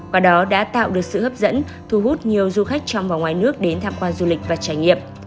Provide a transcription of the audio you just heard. quả đó đã tạo được sự hấp dẫn thu hút nhiều du khách trong và ngoài nước đến tham quan du lịch và trải nghiệm